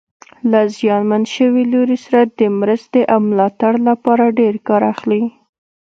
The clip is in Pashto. له زیانمن شوي لوري سره د مرستې او ملاتړ لپاره ډېر کار اخلي.